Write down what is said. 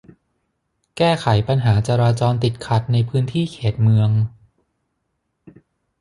แก้ไขปัญหาจราจรติดขัดในพื้นที่เขตเมือง